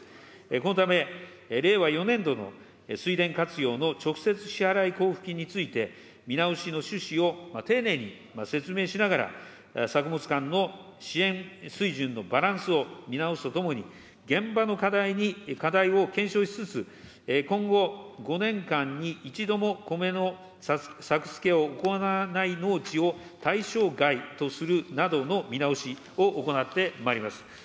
このため、令和４年度の水田活用の直接支払い交付金について、見直しの趣旨を丁寧に説明しながら、作物間の支援水準のバランスを見直すとともに、現場の課題を検証しつつ、今後５年間に一度も米の作付を行わない農地を対象外とするなどの見直しを行ってまいります。